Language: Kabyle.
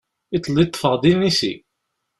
Iḍelli ṭṭfeɣ-d inisi.